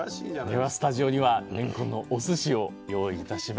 ではスタジオにはれんこんのおすしを用意いたしました。